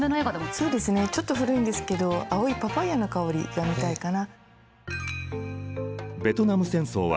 そうですねちょっと古いんですけど「青いパパイヤの香り」が見たいかな。